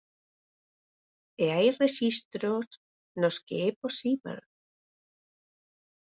E hai rexistros nos que é posíbel.